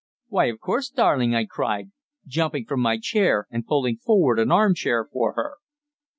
"Why, of course, darling!" I cried, jumping from my chair and pulling forward an arm chair for her.